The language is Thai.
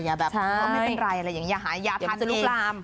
อย่าหายาพันธุ์เอง